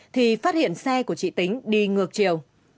thì phát hiện xe của chị tính đi ngược chiều